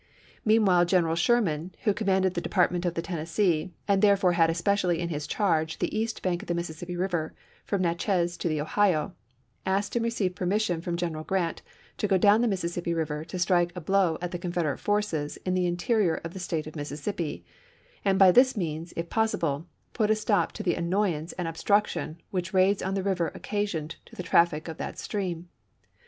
Meanwhile General Sherman, who commanded the Department of the Tennessee, and therefore had especially in his charge the east bank of the Mississippi River from Natchez to the Ohio, asked and received permission from General Grant to go down the Mississippi River to strike a blow at the Confederate forces in the interior of the State of Mississippi and by this means, if possible, put a stop to the annoyance and obstruction which raids on the river occasioned to the traffic of that stream.